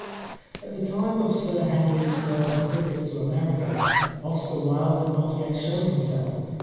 At the time of Sir Henry's first visit to America, Oscar Wilde had not yet shown him self.